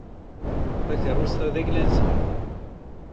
Takeṛṛust-a d ayla-nsen.